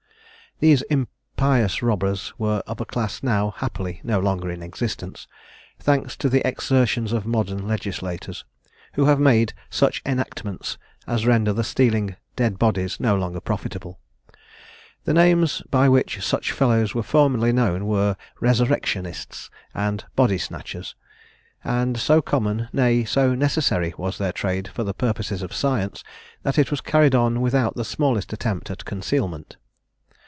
These impious robbers were of a class now, happily, no longer in existence, thanks to the exertions of modern legislators, who have made such enactments as render the stealing dead bodies no longer profitable. The names by which such fellows were formerly known were "resurrectionists," and "body snatchers;" and so common nay, so necessary was their trade for the purposes of science, that it was carried on without the smallest attempt at concealment.